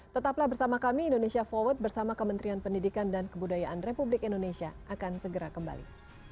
tetaplah bersama kami indonesia forward bersama kementerian pendidikan dan kebudayaan republik indonesia akan segera kembali